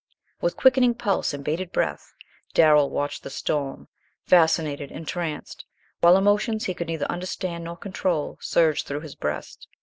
With quickening pulse and bated breath Darrell watched the storm, fascinated, entranced, while emotions he could neither understand nor control surged through his breast.